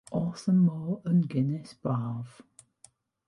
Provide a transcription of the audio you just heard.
O'dd y môr yn gynnes braf.